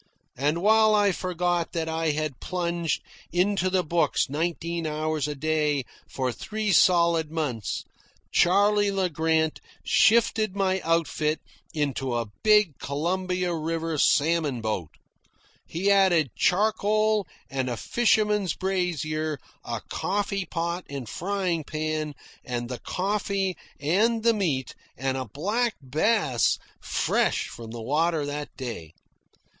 And while I forgot that I had plunged into the books nineteen hours a day for three solid months, Charley Le Grant shifted my outfit into a big Columbia River salmon boat. He added charcoal and a fisherman's brazier, a coffee pot and frying pan, and the coffee and the meat, and a black bass fresh from the water that day.